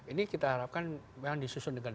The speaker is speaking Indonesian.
ini kita harapkan memang disusun dengan